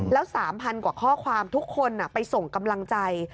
แล้ว๓๐๐กว่าข้อความทุกคนไปส่งกำลังใจ